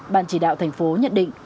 bạn chỉ đạo thành phố nhận định